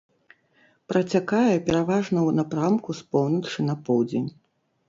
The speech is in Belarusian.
Працякае пераважна ў напрамку з поўначы на поўдзень.